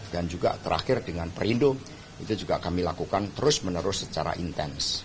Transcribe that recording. dan juga terakhir dengan perindo itu juga kami lakukan terus menerus secara intens